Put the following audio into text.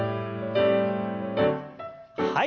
はい。